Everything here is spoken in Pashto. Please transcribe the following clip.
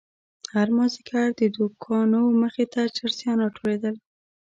هر مازيگر د دوکانو مخې ته چرسيان راټولېدل.